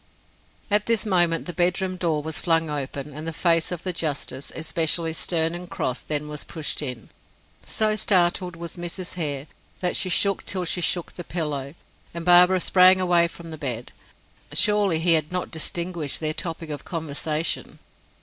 At this moment the bedroom door was flung open, and the face of the justice, especially stern and cross then was pushed in. So startled was Mrs. Hare, that she shook till she shook the pillow, and Barbara sprang away from the bed. Surely he had not distinguished their topic of conversation!